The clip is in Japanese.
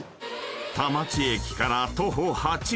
［田町駅から徒歩８分］